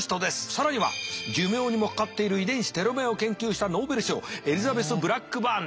更には寿命にも関わっている遺伝子テロメアを研究したノーベル賞エリザベス・ブラックバーンだ。